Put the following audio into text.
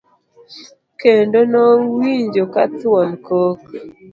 kendo nowinjo ka thuon kok